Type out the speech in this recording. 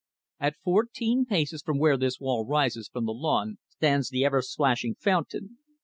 At fourteen paces from where this wall rises from the lawn stands the ever plashing fountain.